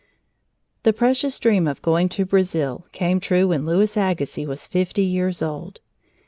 The precious dream of going to Brazil came true when Louis Agassiz was fifty years old.